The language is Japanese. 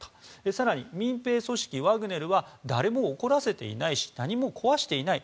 更に民兵組織ワグネルは誰も怒らせていないし何も壊していない。